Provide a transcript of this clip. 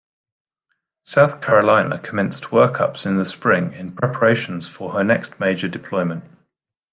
"South Carolina" commenced workups in the spring in preparations for her next major deployment.